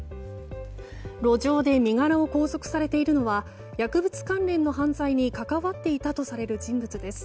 路上で身柄を拘束されているのは薬物関連の犯罪に関わっていたとされる人物です。